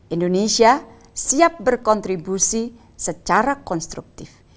indonesia siap berkontribusi secara konstruktif